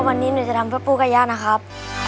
วันนี้หนูจะทำเพื่อปูกายะนะครับ